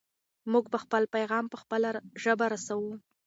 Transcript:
موږ به خپل پیغام په خپله ژبه رسوو.